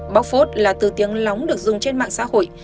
bóc phốt là từ tiếng lóng được dùng trên mạng xã hội